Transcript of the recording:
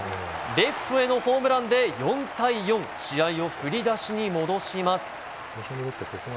レフトへのホームランで４対４試合を振り出しに戻します。